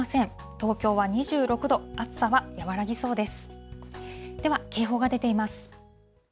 東京は２６度、暑さは和らぎそうです。